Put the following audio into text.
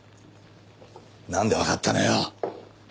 なんでわかったのよ？